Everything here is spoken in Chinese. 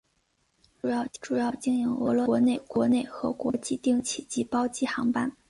主要经营俄罗斯国内和国际定期及包机航班。